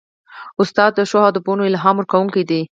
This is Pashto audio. استاد د ښو هدفونو الهام ورکوونکی دی.